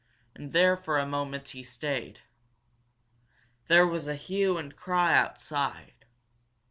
And there for a moment, he stayed. There was a hue and cry outside.